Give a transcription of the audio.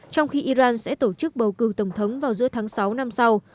trong khi iran sẽ tổ chức bầu cử tổng thống vào giữa tháng sáu năm sau